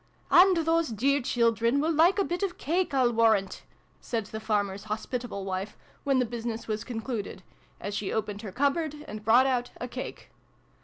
" And those dear children will like a bit of cake, /'//warrant !" said the farmer's hospitable wife, when the business was concluded, as she opened her cupboard, and brought out a cake.